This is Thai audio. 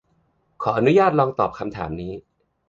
ขออนุญาตลองตอบคำถามนี้